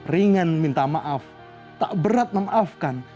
ringan minta maaf tak berat memaafkan